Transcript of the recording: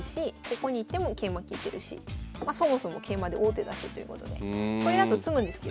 ここに行っても桂馬利いてるしまそもそも桂馬で王手だしということでこれだと詰むんですけど。